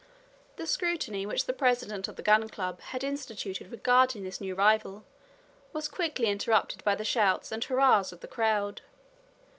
The scrutiny which the president of the Gun Club had instituted regarding this new rival was quickly interrupted by the shouts and hurrahs of the crowd.